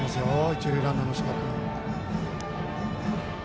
一塁ランナーの柴君。